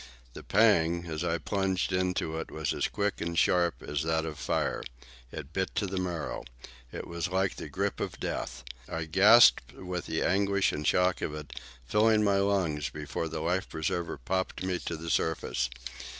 The pang, as I plunged into it, was as quick and sharp as that of fire. It bit to the marrow. It was like the grip of death. I gasped with the anguish and shock of it, filling my lungs before the life preserver popped me to the surface.